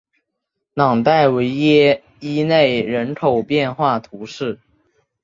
朗代维耶伊勒人口变化图示